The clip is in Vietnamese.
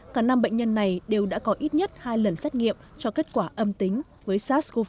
cả năm bệnh nhân này đều đã có ít nhất hai lần xét nghiệm cho kết quả âm tính với sars cov hai